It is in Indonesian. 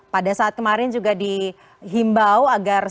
pada saat kemarin juga dihimbau agar